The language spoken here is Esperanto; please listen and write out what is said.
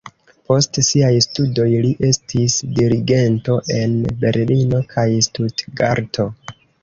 Post siaj studoj li estis dirigento en Berlino kaj Stutgarto.